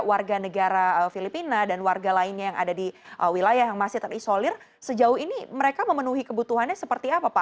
warga negara filipina dan warga lainnya yang ada di wilayah yang masih terisolir sejauh ini mereka memenuhi kebutuhannya seperti apa pak